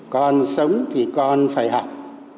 con sống thì con phải học